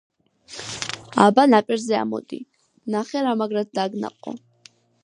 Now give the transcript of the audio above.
აბა, ნაპირზე ამოდი, ნახე, რა მაგრად დაგნაყო!